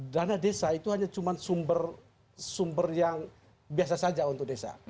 dana desa itu hanya cuma sumber yang biasa saja untuk desa